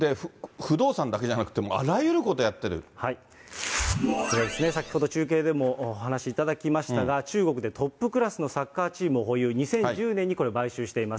不動産だけじゃなくて、これですね、先ほど中継でもお話しいただきましたが、中国でトップクラスのサッカーチームを保有、２０１０年にこれ、買収しています。